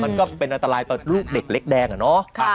มันก็เป็นอันตรายต่อลูกเด็กเล็กแดงอะเนาะ